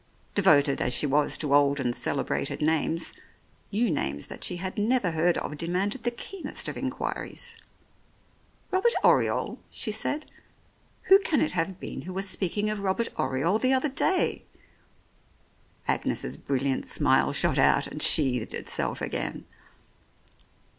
Devoted as she was to old and celebrated names, new names that she had never heard of demanded the keenest of inquiries. "Robert Oriole?" she said. "Who can it have been who was speaking of Robert Oriole the other day ?" Agnes's brilliant smile shot out and sheathed itself again.